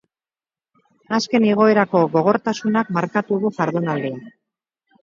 Azken igoerako gogortasunak markatu du jardunaldia.